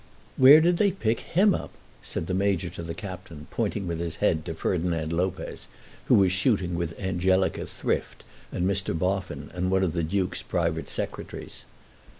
"Where did they pick him up?" said the Major to the Captain, pointing with his head to Ferdinand Lopez, who was shooting with Angelica Thrift and Mr. Boffin and one of the Duke's private secretaries.